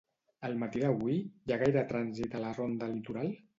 Al matí d'avui, hi ha gaire trànsit a la Ronda Litoral?